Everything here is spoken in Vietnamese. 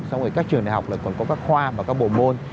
xong rồi các trường đại học là còn có các khoa và các bộ môn